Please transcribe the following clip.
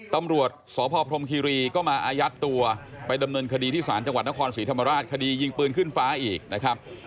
ตำรวจสพพรมคิรีก็มาอายัดตัวไปดำเนินคดีที่ศาลจังหวัดนครศรีธรรมราชคดียิงปืนขึ้นฟ้าอีกนะครับ